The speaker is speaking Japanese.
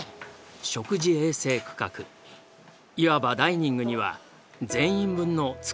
食事衛生区画いわばダイニングには全員分の机と椅子が置かれている。